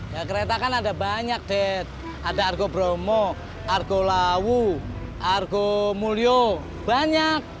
ya kereta kan ada banyak dead ada argo bromo argo lawu argo mulyo banyak